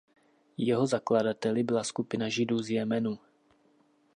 Jeho zakladateli byla skupina Židů z Jemenu.